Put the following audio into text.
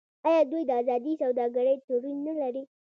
آیا دوی د ازادې سوداګرۍ تړون نلري؟